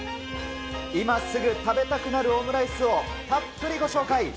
今すぐ食べたくなるオムライスをたっぷりご紹介。